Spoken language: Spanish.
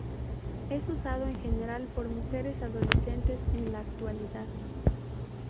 Es usado en general por mujeres adolescentes en la actualidad.